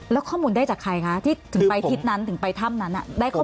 แล้วข้อมูลได้จากใครคะที่ถึงไปทิศนั้นถึงไปถ้ำนั้น